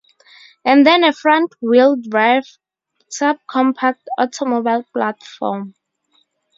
And then a front-wheel drive subcompact automobile platform.